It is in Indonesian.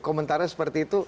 komentarnya seperti itu